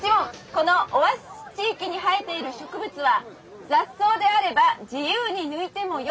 「このオアシス地域に生えている植物は雑草であれば自由に抜いてもよい」。